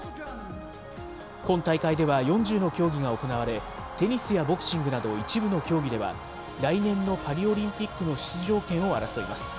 今大会では４０の競技が行われ、テニスやボクシングなど一部の競技では、来年のパリオリンピックの出場権を争います。